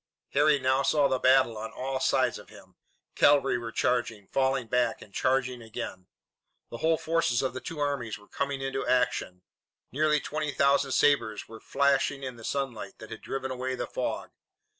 Harry now saw the battle on all sides of him. Cavalry were charging, falling back, and charging again. The whole forces of the two armies were coming into action. Nearly twenty thousand sabres were flashing in the sunlight that had driven away the fog.